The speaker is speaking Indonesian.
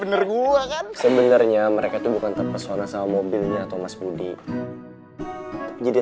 bener gua kan sebenarnya mereka tuh bukan terpesona sama mobilnya atau mas budi jadi